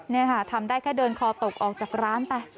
นี่ค่ะทำได้แค่เดินคอตกออกจากร้านไป